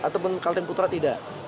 ataupun kalteng putra tidak